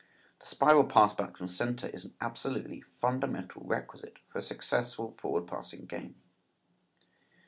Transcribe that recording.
The spiral pass back from center is an absolutely fundamental requisite for a successful forward passing game.